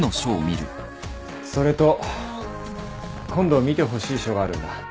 それと今度見てほしい書があるんだ。